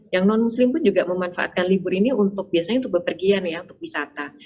yang non muslim pun juga memanfaatkan libur ini untuk biasanya untuk bepergian ya untuk wisata